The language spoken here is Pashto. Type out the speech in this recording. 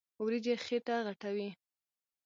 وريجې خيټه غټوي.